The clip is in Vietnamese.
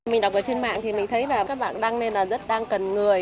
mình đọc ở trên mạng thì mình thấy là các bạn đang nên là rất đang cần người